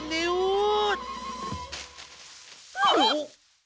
おっ？